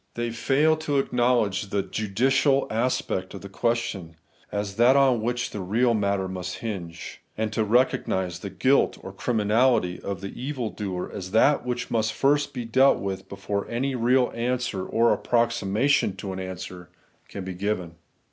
They fail to acknowledge the judicial aspect of the question, as that on which the real answer must hinge ; and to recognise the guilt or criminality of the evil doer as that which must first be dealt with before any real answer, or approxima tion to an answer, can be given.